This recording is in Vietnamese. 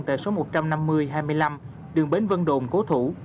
tại số một mươi năm nghìn hai mươi năm đường bến vân đồn cố thủ